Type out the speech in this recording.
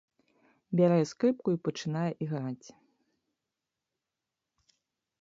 Бярэ скрыпку і пачынае іграць.